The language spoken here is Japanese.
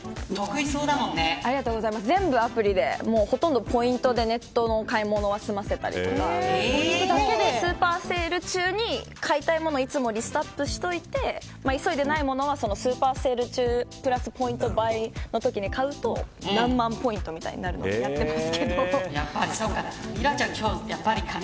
全部アプリでほとんどポイントでネットの買い物は済ませたりスーパーセール中に、買いたい物をいつもリストアップしといて急いでないものはスーパーセール中プラスポイント倍のときに買うと何万ポイントみたいになるのでやっぱりそうか。